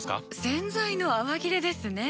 洗剤の泡切れですね。